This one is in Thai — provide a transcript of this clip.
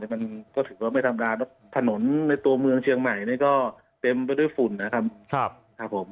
มันก็ถือว่าไม่ธรรมดาถนนในตัวเมืองเชียงใหม่นี่ก็เต็มไปด้วยฝุ่นนะครับผม